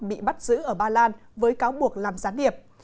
bị bắt giữ ở ba lan với cáo buộc làm gián điệp